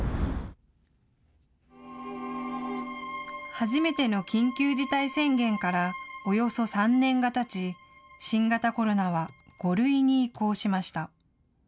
初めての緊急事態宣言からおよそ３年がたち、新型コロナは５類に移行しました。